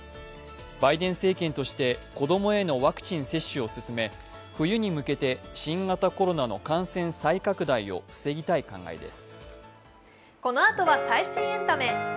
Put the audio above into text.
バイデン政権として子どもへのワクチン接種を進め冬に向けて新型コロナの感染再拡大を防ぎたい考えです。